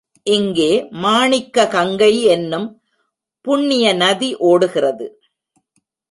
இங்கே மாணிக்க கங்கை என்னும் புண்ணிய நதி ஓடுகிறது.